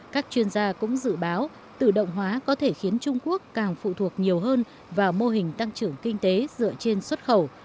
các chuyên gia cũng dự báo tự động hóa có thể khiến trung quốc càng phụ thuộc nhiều hơn vào mô hình tăng trưởng kinh tế dựa trên xuất khẩu